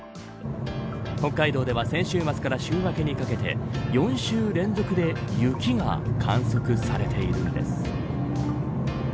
北海道では先週末から週明けにかけて４週連続で雪が観測されているんです。